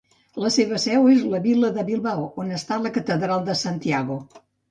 La seva seu és la vila de Bilbao, on està la Catedral de Santiago.